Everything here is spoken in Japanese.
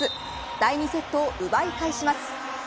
第２セットを奪い返します。